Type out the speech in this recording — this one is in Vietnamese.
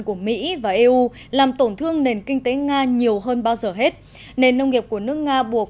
của mỹ và eu làm tổn thương nền kinh tế nga nhiều hơn bao giờ hết nền nông nghiệp của nước nga buộc